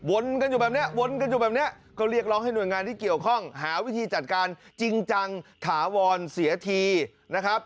วนกันอยู่แบบนี้ครัวเรียกร้องให้หน่วยงานที่เกี่ยวข้องหาวิธีจัดการจริงจังขาวรเสียทีนะครับ